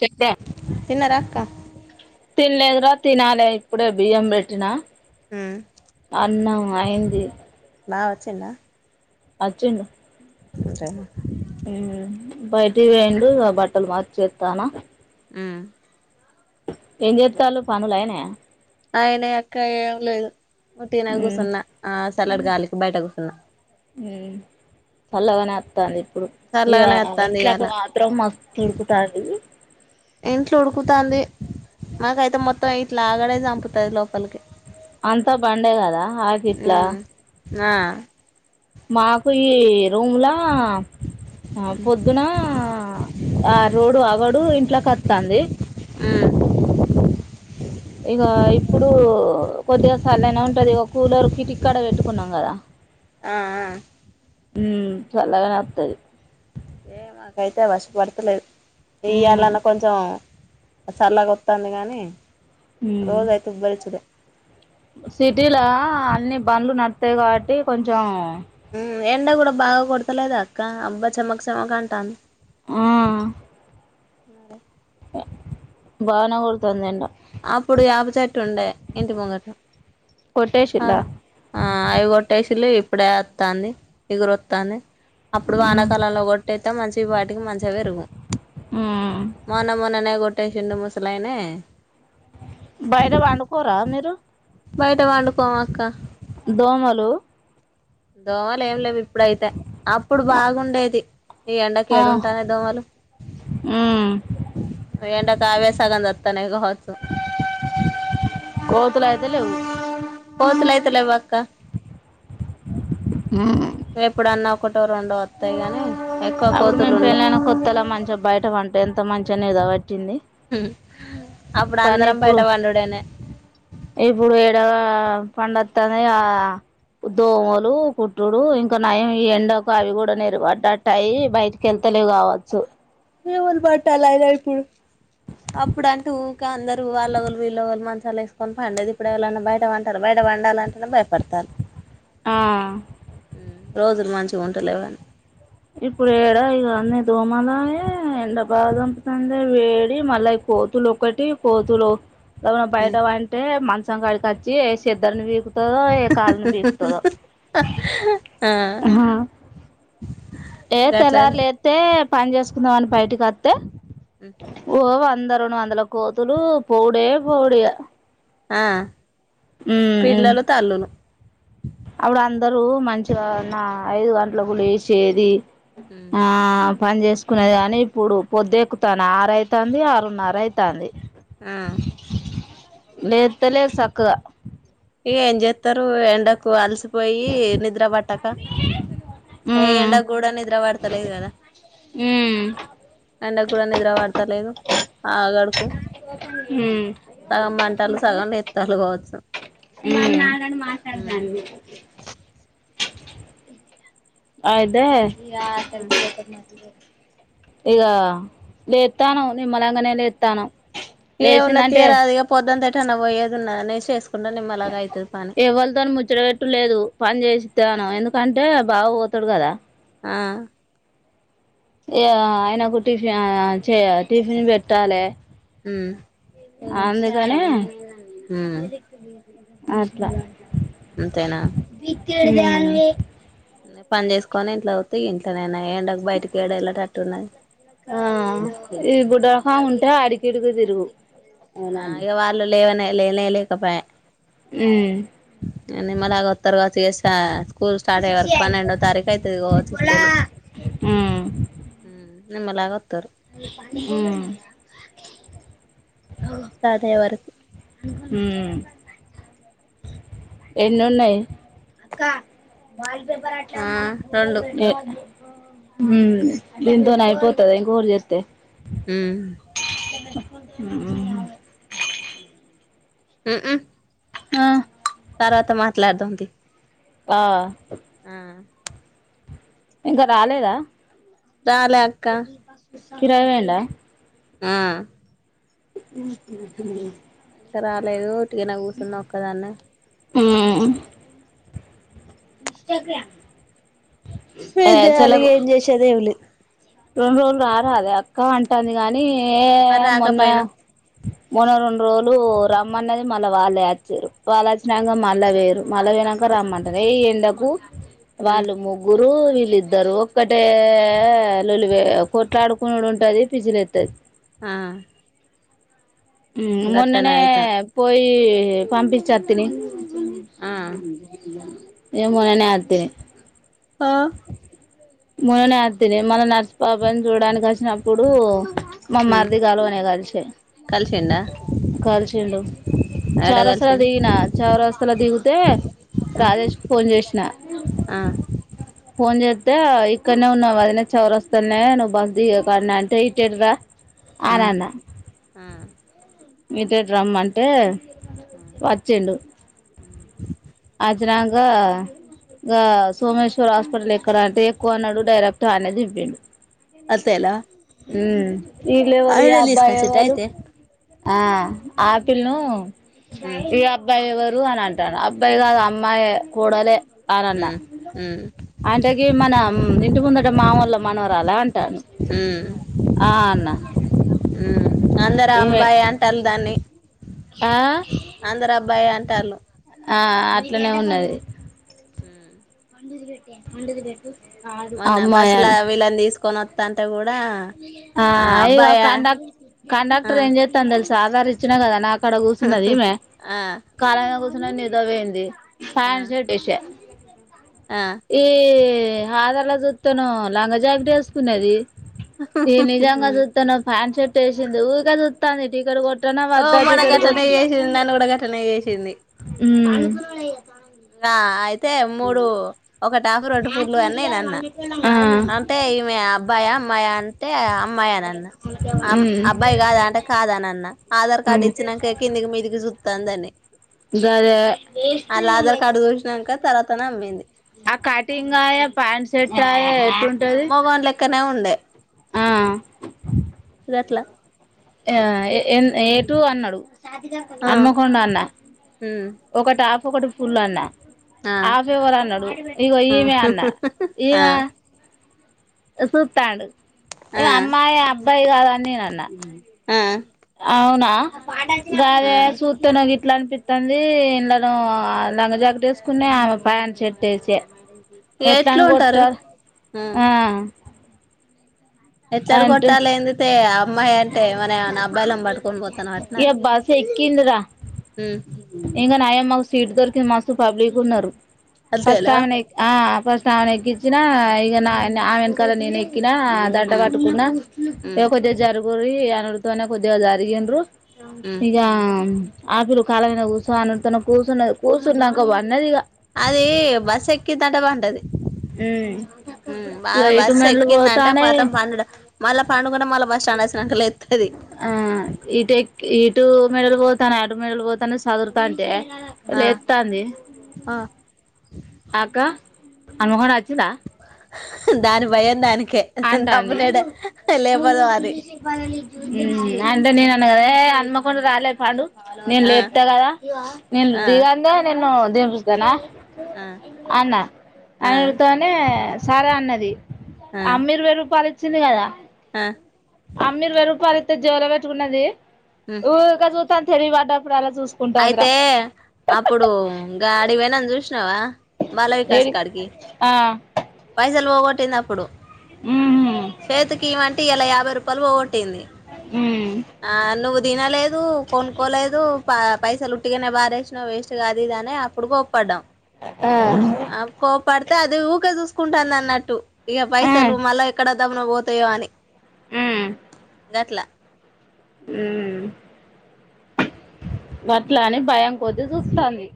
చెప్తే తిన్నరా అక్క తినలేదురా తినాలే ఇప్పుడే బియ్యం పెట్టినా అన్న మాహిందీ లా వచ్చిందా అర్జంట్ అంతే గా బయటికి పోయిండు బట్టలు మార్చేస్తాను ఉ మ్ ఏం చేత్తాళ్లు పనులు అయినయా అయినాయి అక్క ఏ లేదు ఉట్టిగనే మ్మ్ కూర్చున్నా ఆ సలాడ్ గాలికి బయట కూర్చున్నా మ్మ్ చల్లగానే వొత్తంది ఇప్పుడు ఇగా వత్తాంది ఇంట్లో ఇయాల ఒక మాత్రం మస్తు ఉడుకుతాంది ఇంట్లో ఉడుకుతాంది మాకైతే మొత్తం ఇట్లా ఆగడే చంపుతది లోపలికి అంతా బండే కదా ఆకిట్లా ఉమ్ ఆ మాకు ఈ రూమ్ లా ఆ పొద్దున ఆ రోడు ఆగడు ఇంట్లోకి వొత్తంది ఉమ్ ఇగో ఇప్పుడు కొద్దిగా చల్లగనే ఉం టది కూలర్ కిటిక్కడ పెట్టుకున్నాం కదా ఆ ఆ వు మ్ము చల్లగానే వస్తది ఏ మాకైతే వశపడతలేదు ఉమ్ ఇయ్యాలన్న కొంచెం సల్లగా వొస్తుంది గానీ ఉమ్ రోజైతే ఉబ్బరిచ్చుడే సిటీలా అన్ని బండ్లు నడతాయి కాబట్టి కొంచం ఎండ కూడా బాగా కొడత లేదా అక్క అబ్బా చెమక చెమక అంటుంది ఆ మరే బాగానే కొడుతోంది ఎండ అప్పుడు యాప చెట్టు ఉండే ఇంటి ముంగట ఆ కొట్టేసిల్లా ఆ అయగ కొట్టేసీలు ఇప్పుడేత్తాన్ని ఎగురుొత్తాన్ని అప్పుడు ఉమ్ వానకాలంలో కొట్టయితే మంచివి వాటికి మంచిగావి పెరుగు ఉమ్ మొన మొననే కొట్ ట్ట సిండు మసలయినే బైర వండుకోరా మీరు బయట వాండు కోమ్ అక్క దోమలు దోమలే ఏం లే ఇ ప్పుడైతే అప్పుడు బాగుండేది ఈ ఎండకి ఆ ఏడుంటాను దోమలు ఉమ్ ఈ ఎండ కావే సగ వస్తనే గావచ్చు కోతుల్ ఐతే లేవు పోతులైతే లేవక్క ఉమ్ ఎప్పుడన్న ఒక ఒకటో రెండో వత్తయ్ కాని అప్పుడు మేము పెళ్ళైనా కొత్తలా మంచిగా బయట పంటే ఎంత మంచి చెన్నై కాబట్ ది అప్పుడు కానీ అందరం ఇప్పుడు బయట పండుడేనే ఇప్పుడు ఏడవ పండోతనయా దోమలు కట్టుడు ఇంకా నయం ఈ ఎండకు అవి కూడా నీరు పడట్ యి బయటికి ఎల్తలేవ్ కావచ్చు లు పట్టాలద ఇప్పుడు అప్పుడు అంటూ ఊకా అందరు వాళ్ళవోళ్ళు వీళ్ళవోళ్ళు మంచాల వేసుకొని పండదే ఇప్పుడు ఎవలైనా బయట పంటరా బయట పండాలంటేనే భయపడతారు ఆ రోజులు మంచిగా ఉంటలేవ్ గాని ఇప్పుడు ఏడ ఇగ అన్నీ దోమలాయే ఎండ బాగా చంపుతందే వేడి మళ్ళ కోతులు ఒకటి కోతులు ఒకవేళ బయట పంటే మంచం కాడికి వచ్ ఏ సేదర్ని పీక్ ఓయ్ కాల్ను బీకుతదో ఆ హా ఏ గట్లానే తెల్లార్ లెత్తే పని చేసుకుందాం అని బయటకి వత్తే ఓ వా వంద రెండు వందల కోతులు పౌడే పౌడిగ ఆ పిల్లలు తల్లులు అప్పుడు అందరూ మంచిగా నా ఐదు గంటలకు లేసేది ఆ పని చేేసుకునేది కాని ఇప్పుడు పొద్దు ఎక్కుతన ఆరు అయితంది ఆరున్నర అయితంది ఆ లేస్తలేర్ సక్కగా ఏం చేత్తరు ఎండకు అల్సి పోయి నిద్ర పట్టక ఏ ఉమ్ ఎండ కూడ నిద్ర పడతలేదు కదా ఉమ్ ఎండ కూడా నిద్ర పడతలేదు ఆగడుకు హుమ్ సగం పంటలు సగం ఎత్తాళ్ళు కావచ్చు నేను ఆల్రెడీ ఉమ్ మాట్లాడేదాన్ని అయితే ఈ యా ఉమ్ తడిస్పోతే మంచిదే ఇగ లేతన్నం నిమ్మలంగానే లేతన్నం ఏమున్నది తీయరాదిగా పొద్దంతా ఏంటన్న పోయేది ఉన్నదా చేస్ ఎవలతోను ముచ్చడ పెెట్టులేదు పని చేసిస్తాను ఎందు అంటే బావ పోతడు కదా ఆ ఏ ఆయనకు చేయ యా టిఫిన్ పెట్టాలి హుమ్ అందుకని చాయ్ లెక్కుంది అట్లా అంతేనా హు మ్ పని చేసుకొని ఇంట్లో పోతే ఇంట్లో నేనా ఆ [unintelligible] ఉంటే ఆడికి ఈడికి తిరుగు ఉమ్ ఆ ఇక వాళ్ళు లేవనే లేనే లేకపాయే హమ్ ఇగ నిమ్మలంగా వత్తరు కా చేశా స్కూల్ స్టార్ట్ అయ్యే వరకు పన్నెండో తారీఖ అయితేదికోవచ్చు స్కూలు నిమ్మళంగ వోత్తారు ఉ స్టార్ట్ అయ్యే మ్ వరకు హుమ్ ఎన్నున్నాయి ఆ రెండు ఏ ఊ దీనితోని అయిపోతుందా ఇంకోటి చేస్తే ఉ మ్ ఊ హూ హు ఊ మ్ హూ ఆ తర్వాత మాట్లాడుదాం తి ఆ ఆ ఇంకా రాలేదా రాలే అక్క కిరాయి పోయిండా ఆ ఎక్కినంక మల్లీ చేస్తా ఇంకా రాలేదు ఉట్టిగానే కూర్చున్నా ఒక్కదాన్నే ఊ హు ఇన్స్టాగ్రామ్ ఎం చెయ్యాలి ఏం చేసేది ఎం లేదు రెండు రోజులు రారదే అక్క అంటంది గాని ఏ మరి మొన్న రాకపోయినవ్ మొన్న రెండు రోజులు రా మొన్ననే మళ్ళా వాళ్లే వచ్చిరు వాళ్ళు వచ్చినాక మళ్ళా పోయిరు మళ్ళా పోయినాక రమ్మంటరు ఈ ఎండకు ఉమ్ వాళ్లు ముగ్గురు వీళ్ళు ఇద్దరు ఒక్కటే ఏ లొల్లిపోయి కోట్లడు కొనుడు ఉంటాది పిజ్జుల ఎస్తది ఆ ఊ మొన్ననే గట్లనే అయితాంది పోయి ఏ పంపిచాత్తిని ఊ ఆ ఊ ఏ మొన్ననే అత్తిని ఆ మొన్ననే అత్తిని మళ్ళీ నడుసు పాపని చూడడానికి వచ్చినప్పుడు ఉమ్ మామార్ది కాలువనే కలిసే కలిసిండా కలిసుండు ఏడ చౌరస్తల కలిసిండు దిగినా చౌరస్తలా దిగుతే ఆ రాజేష్ కు ఫోన్ చేసిన ఆ ఫోన్ చే అ ఇక్కడనే ఉన్నా వదిన చౌరస్తాలనే నువ్వు బస్ దిగే కాడనే అంటే ఇటేటు రా ఆ ఆ మీతోటి రమ్మటే ఆ వచ్చిండు అచ్చినక ఇంకా సోమేశ్వర్ హాస్పిటల్ ఎక్కడ అంటే ఎక్కువ అన్నాడు డైరెక్ట్ అనేది ఇప్పిండు అంతేనా ఎ హ ఇల్ లే వాలు ఈ ఆయనే అబ్బాయి ఏ తీసుకొచ్చిండా వాళు అయితే ఆ ఆపిల్ ను ఉమ్ ఉమ్ ఈ అబ్బాయివ అని అంటాను ఇప్పైగాదు అమ్మాయి కూడాల అవునన్నా ఉమ్ అంటేకి మన ఇంటి ముందుట మామూళ మనవరాలా అంటాను ఉమ్ ఆ అన్నా ఉమ్ అందరు ఏమే అమ్మాయి అంటాళ్ళు దాన్ని ఆ ట్టలో ఆ అట్లనే ఉన్నది మ్మ్ [inaudible] మొన్న అమ్మాయి బస్సుల వీళ్ళని తీసుకొని వత్తాంటే కూడా ఆ అది కాక కండక్ ఆ కండక్టర్ ఏం చేస్తాందో తెల్స్ సాధారి ఇచ్చిన కదా నాక్ ఇక్కడ కుర్సున్నది ఈమె ఆ కాళనే కుర్చ్ [unintelligible] నిదరపోయింది ఆ ఫాంషర్ట్ వేసా ఆ ఏ ఆధార్ అలా చూస్తాను లాంగ జాకెట్ వేసుకునేది ఏ నిజాంగా చూస్తన్నావ్ ప్యాంట్షర్ట్ స్టేషన్దు ఉకే చుస్తాందు టికెట్ కోట్ ఓ మొన గట్టలనే చేసింది నన్ను కూడా గట్టలనే చేసింది ఉ నా అయిత్ తే మూడు ఒకట్ ఠప్పు రోడ్డు పూలు అని నేఅన్న ఆ అంటే ఇమె అబ్బాయా మాయాన్ అంటే అమ్మాయి అని అన్నా అం అబ్బాయి కాదా అంటే కాదానన్నా ఆధార్ కార్డు ఉమ్ ఇచ్చినాక కిందికి మీదికి చుతాందన్ని గాదే ఆధార్ కార్డు చూసినాక తర్వాతనే అమ్మింది ఆ కటింగ్ ఆయా ప్యాంట్ షర్ట్ ఆయా ఎట్ంటది నా ఉండే ఆ అదేట్ల ఆ ఏటు అన్నాడు ఆ అన్మకొండ అన్న హ్మ్ ఒకటాప్ ఒకటి ఫుల్ అన్న ఆ హాఫ్ ఇవర అన్నాడు ఇగో ఆ ఈమె అన్న ఈయనా ఆ సుతాడు ఆ యే అమ్మాయా అబ్ అబ్బాయ్ కాదని నేనన్నా ఆ అవునా ఆ గదె సుత్తనో గిట్ల ఇట్లా అనిపిస్తది ఎండలో నల్ల జాకట్ వేసుకునే ఆమె ప్యాంట్ షర్ట్ వేసి ఎట్లా ఎట్లు అని ఉంటారు కొట్టారు ఆ ఎచ్చారు కొట్టాల ఎందితే పోతాను అట్నా [unintelligible] బాస్ ఎకిందరా హ్మ్ ఇగా మాకు సీట్ దొరికింది మస్తు పబ్లిక్ ఉన్నారు ఫస్ట్ అంతేనా అమ్మెనే ఆ ఫస్ట్ అమ్మెనెకిచ్ దిన ఇంగ ఈ [unintelligible] అమ్మే వెనకాల నేనే కినా దంట హ్మ్ కట్టుకున్నా హ్మ్ [unintelligible] తోనే కొద్దిగా జరిగింరూ హ్మ్ ఇకా [unintelligible] కాలగైన కుసో అనిన్నా కూర్చున్న కూర్చున్నాక పనాది ఇంకా అది బస్ ఎకి తటబంటది బా ఇక ఇటు బస్ మెట్లు ఎక్కిందంటే పోతానే [unintelligible] మళ్ళా [unintelligible] మళ్ళా బస్టాండ్ వచ్చాక లేస్తుంది ఆ ఈట ఎక్ ఈటు మెడల్ [unintelligible] తన [unintelligible] పోతానే చదురుతా అంటే ఆ లేపుతుంది ఆ అక్క హనుమకొండ వచ్చింద దాని భయం దానికి ఏంటంది అని అంటే నేను అనగదే హనుమకొండ రాలే పండు నేను ఆ లేపుతా కదా నేను ఆ దిగందే నేను దింపేస్తన ఆ అనా ఆ అతోనే సరే అన్నది ఆ అమ్ ఇరవై రూపాయ ఇచ్చింది కదా అ అమ్మ ఇరవై రూపాయలు ఇతే జోలో పెట్టుకున్నది ఉమ్ ఉరికే [unintelligible] [unintelligible] అయితే అప్పుడు గాడివోనం చూసినావా బాల వికాస్ ఏడి కాడికి ఆ పైసలు పోగొట్టినప్పుడు ఉహు సేతుకీ వంట ఎలయా వేరూపాయలు పోగోట్ ట్టింది ఉమ్ తినలేద్ దు కొనుకోలేదు పా పైసలు ఉట్టిగానే బారేసినావ్ వేస్ట్ కాది అని అప్పుడు కోప్పడ్డాం ఆ ఉమ్ అ కోప్పడితే అది ఊకెసూస్ కుంటాందన్నట్టు ఇక పైసలు మళ ఇక్కడ దబున పోతాయో అని ఉమ్ గట్ల హుమ్ వట్ల అని భయం కొద్ది చూస్తంది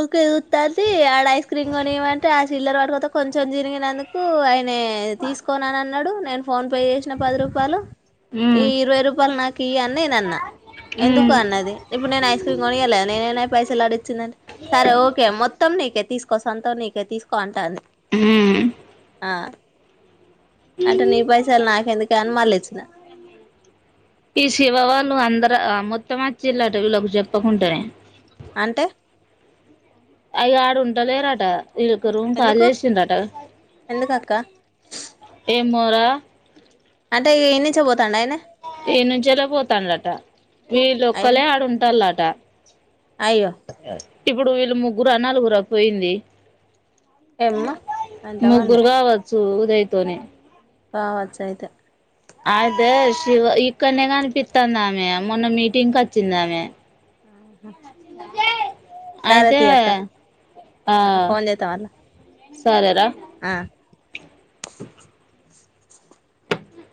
ఉక ఎగుత్తాంది ఆడ ఐస్ క్రీమ్ కొనిమంటే ఆ చిల్లర్ వటుకతే కొంచెం చినిగినందుకు నే తీసుకోనన్ అన్నాడు నేను ఫోన్ పే చేసిన పది రూపాయలు ఈ ఉమ్ ఇరవై రూపాయలు నాకి ఇయి నేను ఇయనన్న ఎందుకు ఉమ్ అన్నది ఇప్పుడు నేను ఐస్ క్రీమ్ కొనియలేదు నేనే లే పైసలు ఆడిచ్చిందంటే సరే ఓకే మొత్తం ని నీకే తీసుకో సంతో నీకే తీసుకో అంటాంది ఉమ్ ఆ అంటే నీ పైసలు నాకెందుకని మళ్ళి ఇచ్చిన ఈ శివవాళ్ళు అందరు మొత్తం వచ్చిళ్ళట వీళ్ళకి చెప్పకుంటనే అంటే అయ్య ఆడున్ డలేరట ఇదొక రూమ్ ఎందుకు కాలిజేసిందట ఎందుకక్క ఎమ్మోరా అంటే ఏన్నించ పోతు ఈన్నుంచేలే పోతళ్ళటా అయ్యో వీళ్ళోక్కలే ఆడుంటాల్లట అయ్యో ఇప్పుడు వీళ్ళు ముగ్గురా నలుగురా పోయింది ఏమ్మా ఎంతమందో ముగ్గురుగావచ్చు జైతోనే కా వచ్చయితే అదే శివ ఇక్కడనే కనిపిత్తం దామే మొన్న మీటింగ్ కి వచ్చిందామె ఆహ సరే అయితే తీ అక్క ఆ ఫోన్ చేతా అళ సరేరా ఆ